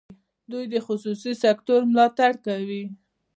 دوی د خصوصي سکټور ملاتړ کوي.